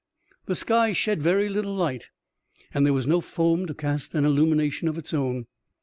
The sky shed very little light, and there was no foam to cast an illumination of its own.